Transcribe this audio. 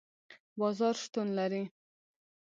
بازار شتون لري